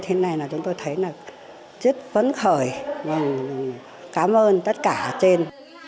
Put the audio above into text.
thế này là chúng tôi thấy là rất vấn khởi và cảm ơn tất cả ở trên